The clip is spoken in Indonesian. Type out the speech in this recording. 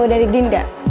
gue tau dari dinda